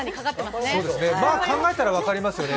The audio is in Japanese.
考えたら分かりますよね。